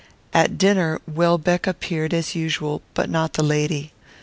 At dinner Welbeck appeared as usual, but not the lady.